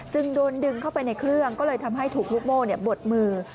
จึงโดนดึงเข้าไปในเครื่องก็เลยทำให้ถูกลูกโม่บดมือ